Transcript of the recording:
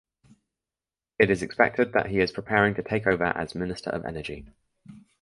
It is expected that he is preparing to take over as minister of energy.